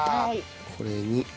これに。